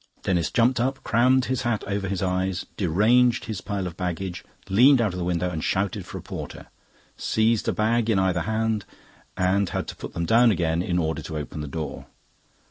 Denis jumped up, crammed his hat over his eyes, deranged his pile of baggage, leaned out of the window and shouted for a porter, seized a bag in either hand, and had to put them down again in order to open the door.